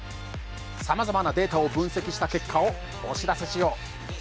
さまざまなデータを分析した結果をお知らせしよう。